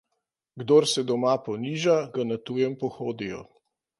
Kdor se doma poniža, ga na tujem pohodijo.